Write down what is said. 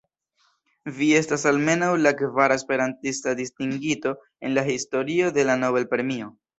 Vi estas almenaŭ la kvara esperantista distingito en la historio de la Nobel-premio.